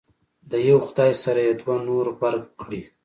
د یو خدای سره یې دوه نور غبرګ کړي.